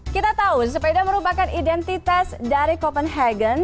kita tahu sepeda merupakan identitas dari copenhagen